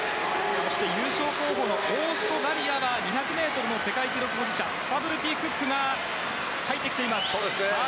そして優勝候補のオーストラリアは２００ｍの世界記録保持者スタブルティ・クックが入ってきています。